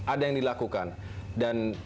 ada yang dilakukan dan